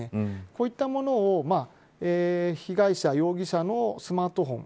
こういったものを被害者、容疑者のスマートフォン